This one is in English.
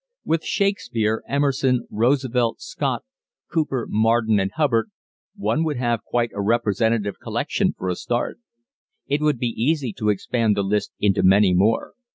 With Shakespeare, Emerson, Roosevelt, Scott, Cooper, Marden and Hubbard one would have quite a representative collection for a start. It would be easy to expand the list into many more.